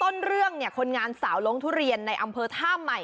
มึงจะให้คุณคุณของกูเอาออกไป